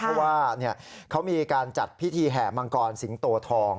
เพราะว่าเขามีการจัดพิธีแห่มังกรสิงโตทอง